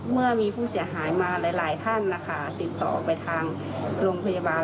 เมื่อมีผู้เสียหายมาหลายท่านนะคะติดต่อไปทางโรงพยาบาล